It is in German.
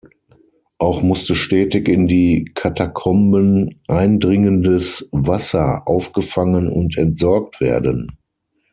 Auch musste stetig in die Katakomben eindringendes Wasser aufgefangen und entsorgt werden.